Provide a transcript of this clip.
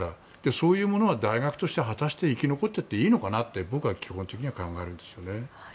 そういうものが大学として果たして大学として生き残っていいのかなと僕は基本的には考えるんですけどね。